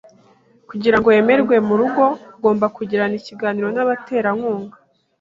Kugirango wemererwe murugo ugomba kugirana ikiganiro nabaterankunga.